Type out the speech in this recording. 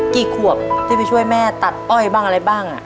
กี่ขวบที่ไปช่วยแม่ตัดอ้อยบ้างอะไรบ้าง